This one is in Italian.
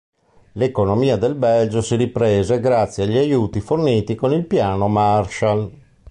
L'economia del Belgio si riprese grazie agli aiuti forniti con il Piano Marshall.